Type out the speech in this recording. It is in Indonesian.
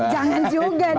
jangan juga dong pak